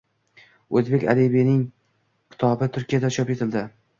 O‘zbek adibasining kitobi Turkiyada chop etilding